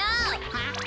はあ？